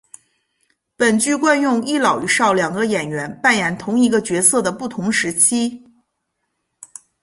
本剧惯用一老一少两个演员扮演同一个角色的不同时期。